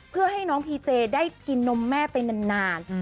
เพื่อให้น้องพีเจได้กินนมแม่ไปนาน